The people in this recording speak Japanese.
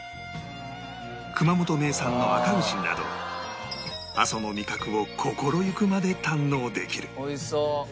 熊本名産のあか牛など阿蘇の味覚を心ゆくまで堪能できる